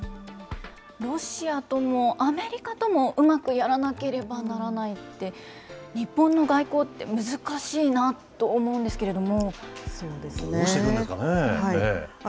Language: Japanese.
ロシアともアメリカとも、うまくやらなければならないって、日本の外交って難しいなと思うんですけれども。